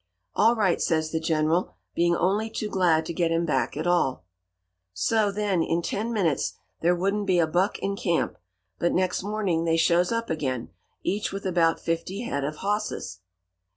"'All right,' says the General, being only too glad to get him back at all. "So, then, in ten minutes there wouldn't be a buck in camp, but next morning they shows up again, each with about fifty head of hosses.